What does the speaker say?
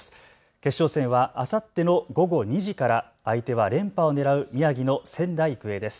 決勝戦はあさっての午後２時から相手は連覇をねらう宮城の仙台育英です。